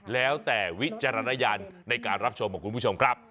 แล้วแต่วิจารณญาณในการรับชมของคุณผู้ชมครับ